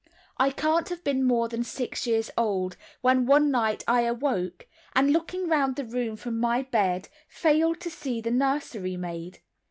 I can't have been more than six years old, when one night I awoke, and looking round the room from my bed, failed to see the nursery maid.